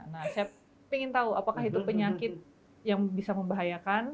nah saya ingin tahu apakah itu penyakit yang bisa membahayakan